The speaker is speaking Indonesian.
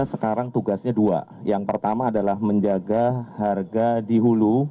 sekarang tugasnya dua yang pertama adalah menjaga harga di hulu